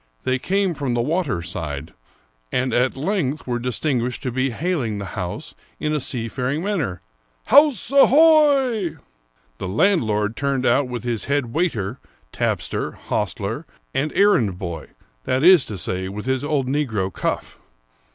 They came from the water side, and at length were distinguished to be hailing the house in the seafaring manner, " House ahoy !" The landlord turned out with his head waiter, tapster, hostler, and errand boy — that is to say, with his old negro Cuff.